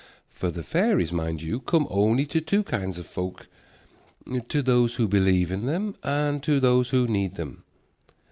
For the fairies, mind you, come only to two kinds of folk, to those who believe in them and to those who need them.